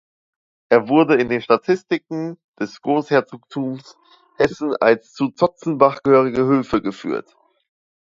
Er wurde in den Statistiken des Großherzogtums Hessen als „zu Zotzenbach gehörige Höfe“ geführt.